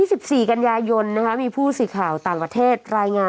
อีกแรกนึงมาอีกข่าวนึง